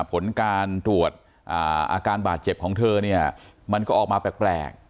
ผลการตรวจอาการบาดเจ็บของเธอเนี่ยมันก็ออกมาแปลก